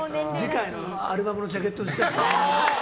次回のアルバムのジャケットにしたい。